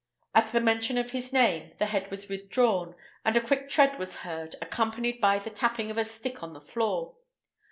At the mention of this name, the head was withdrawn, and a quick tread was heard, accompanied by the tapping of a stick on the floor.